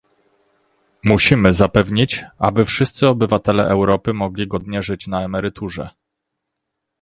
Musimy zapewnić, aby wszyscy obywatele Europy mogli godnie żyć na emeryturze